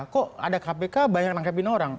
kok ada kpk banyak nangkepin orang